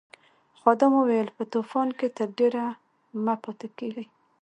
خادم وویل په طوفان کې تر ډېره مه پاتې کیږئ.